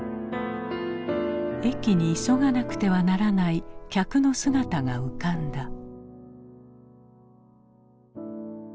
駅に急がなくてはならない客の姿が浮かんだ。